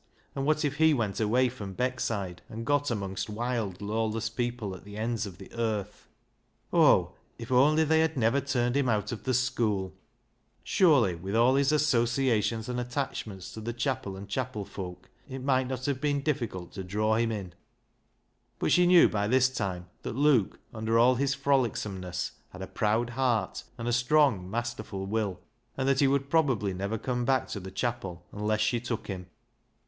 And what if he went away from Beckside and got amongst wild, lawless people at the ends of the earth ? Oh, if only they had never turned him out of the school ! Surely, with all his associations and attachments to the chapel and chapel folk, it might not have been difficult to draw him in. S8 BECKSIDE LIGHTS But she knew by this time that Luke, under all his froHcsomeness, had a proud heart, and a strong, masterful will, and that he would probably never come back to the chapel unless she took him.